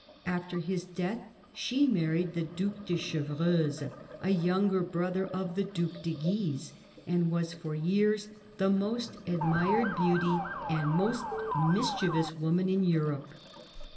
After his death she married the Due de Chevreuse, a younger brother of the Due de Guise, and was for years the most admired beauty and most mischievous woman in Europe.